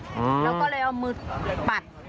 แล้วก็เลยเอามือปัด